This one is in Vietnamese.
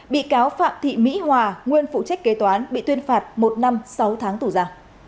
bị cáo phạm thị mỹ hòa nguyên phụ trách kế toán bị tuyên phạt một năm sáu tháng tù giả